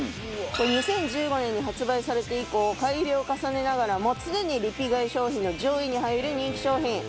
これ２０１５年に発売されて以降改良を重ねながらも常にリピ買い商品の上位に入る人気商品。